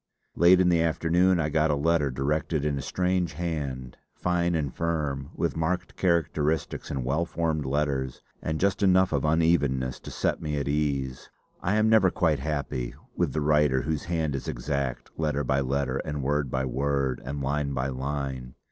Late in the afternoon I got a letter directed in a strange hand, fine and firm, with marked characteristics and well formed letters, and just enough of unevenness to set me at ease. I am never quite happy with the writer whose hand is exact, letter by letter, and word by word, and line by line.